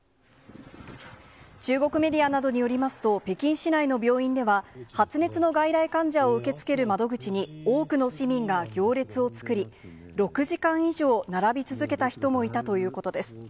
中国メディアなどによりますと、北京市内の病院では、発熱の外来患者を受け付ける窓口に、多くの市民が行列を作り、６時間以上並び続けた人もいたということです。